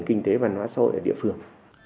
kinh tế và nhoá xôi ở địa phương